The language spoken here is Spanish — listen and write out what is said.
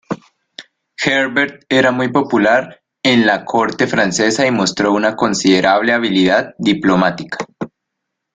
Herbert era muy popular en la corte francesa y mostró una considerable habilidad diplomática.